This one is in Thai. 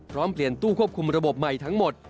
พร้อมเปลี่ยนตู้ควบคุมระบบใหม่ทั้งหมด